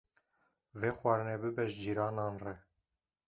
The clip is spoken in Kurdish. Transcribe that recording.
Vê xwarinê bibe ji cîranan re.